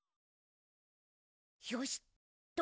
よしっと。